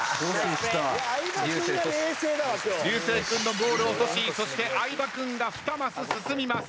流星君のゴールを阻止そして相葉君が２マス進みます。